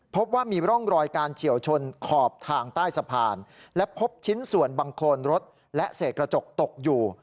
พบว่ามีร่องรอยการเฉียวชนขอบทางใต้สะพานและพบชิ้นส่วนบังโครนรถและเศษกระจกตกอยู่